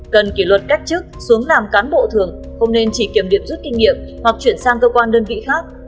cần kỷ luật cách chức xuống làm cán bộ thường không nên chỉ kiểm điểm rút kinh nghiệm hoặc chuyển sang cơ quan đơn vị khác